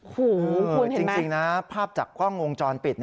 คุณเห็นไหมจริงนะภาพจากกล้ององค์จรปิด